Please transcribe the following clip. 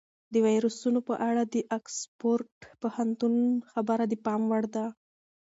د ویروسونو په اړه د اکسفورډ پوهنتون خبره د پام وړ ده.